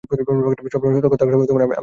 সবসময় সতর্ক থাকাটাও আমি শিখে নিয়েছিলাম।